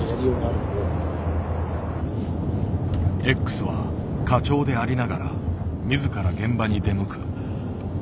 Ｘは課長でありながら自ら現場に出向く。